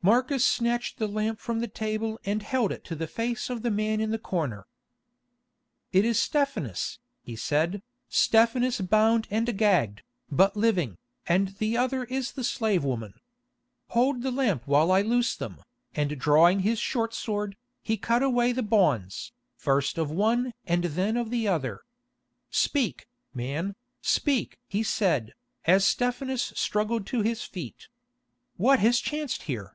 Marcus snatched the lamp from the table and held it to the face of the man in the corner. "It is Stephanus," he said, "Stephanus bound and gagged, but living, and the other is the slave woman. Hold the lamp while I loose them," and drawing his short sword, he cut away the bonds, first of the one and then of the other. "Speak, man, speak!" he said, as Stephanus struggled to his feet. "What has chanced here?"